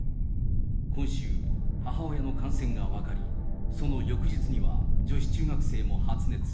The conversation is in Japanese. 今週、母親の感染が分かり、その翌日には女子中学生も発熱。